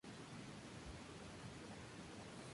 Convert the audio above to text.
Ese plato era canela fina, estaba para chuparse los dedos